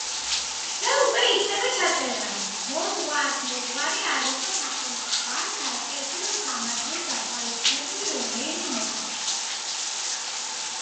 მოძღვართ-მოძღვარი არ იყო სახელმწიფო ან საეკლესიო სამართლით გათვალისწინებული რომელიმე მოხელე.